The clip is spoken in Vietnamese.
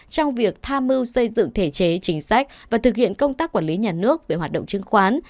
trong việc tham mưu xây dựng thể chế chính sách và thực hiện công tác quản lý nhà nước về hoạt động chứng khoán